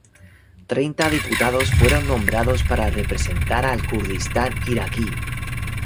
Treinta diputados fueron nombrados para representar al Kurdistán iraquí.